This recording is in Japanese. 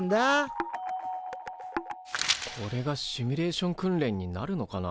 これがシミュレーション訓練になるのかな？